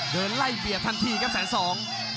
เดินไล่เบียดทันทีครับแสนสอง